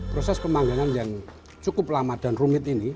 proses pemanggangan yang cukup lama dan rumit ini